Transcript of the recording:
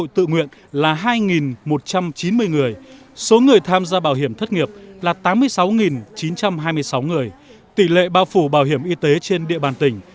tự nguyện bảo hiểm y tế hộ gia đình